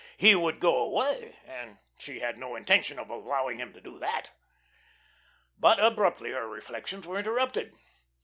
He would go away, and she had no intention of allowing him to do that. But abruptly her reflections were interrupted.